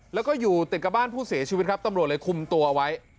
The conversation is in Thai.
แล้วก็อยู่ติดกับบ้านผู้เสียชีวิตครับตำรวจเลยคุมตัวไว้